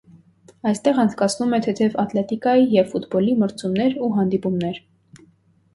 Այստեղ անցկացնում է թեթև ատլետիկայի և ֆուտբոլի մրցումներ ու հանդիպումներ։